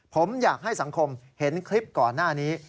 ผมอยากให้สังคมเห็นคลิปก่อนหน้านี้